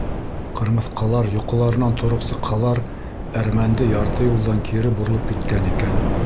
Ҡырмыҫҡалар йоҡоларынан тороп сыҡһалар, әрмәнде ярты юлдан кире боролоп киткән икән.